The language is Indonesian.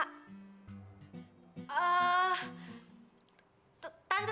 itulah kenang bour bin elders